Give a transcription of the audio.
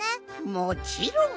もちろん！